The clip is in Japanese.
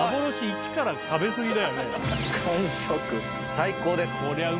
最高です。